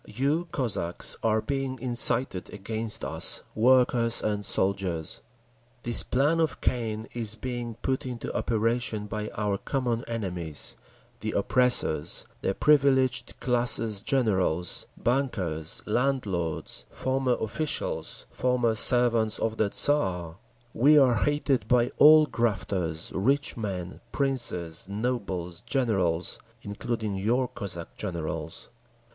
You, Cossacks, are being incited against us, workers and soldiers. This plan of Cain is being put into operation by our common enemies, the oppressors, the privileged classes—generals, bankers, landlords, former officials, former servants of the Tsar…. We are hated by all grafters, rich men, princes, nobles, generals, including your Cossack generals.